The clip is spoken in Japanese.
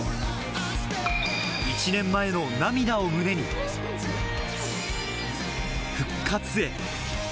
１年前の涙を胸に、復活へ。